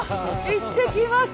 いってきます。